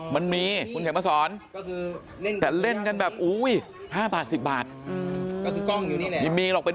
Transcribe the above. มันมีคุณแขกมาสอนเล่นกันแบบโอ้ย๕บาท๑๐บาทมีหรอกเป็น